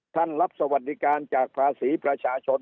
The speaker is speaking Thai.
ท่านรับสวัสดิการจากภาษีประชาชน